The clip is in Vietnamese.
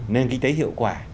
nên kinh tế hiệu quả